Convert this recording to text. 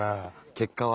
結果は。